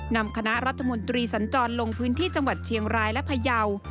นำคณะรัฐมนตรีสัญจรลงพื้นที่จังหวัดเชียงรายและพยาว